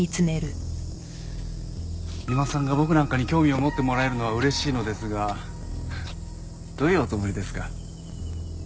三馬さんが僕なんかに興味を持ってもらえるのは嬉しいのですがどういうおつもりですか？